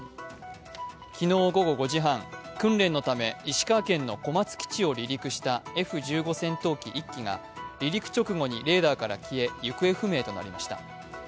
昨日午後５時半、訓練のため石川県の小松基地を離陸したＦ１５戦闘機１機が離陸直後にレーダーから消え行方不明となりました。